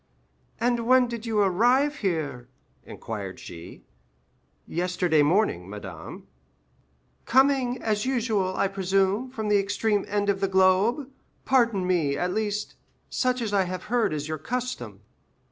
"And when did you arrive here?" inquired she. "Yesterday morning, madame." "Coming, as usual, I presume, from the extreme end of the globe? Pardon me—at least, such I have heard is your custom."